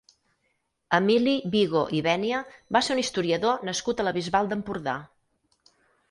Emili Vigo i Bènia va ser un historiador nascut a la Bisbal d'Empordà.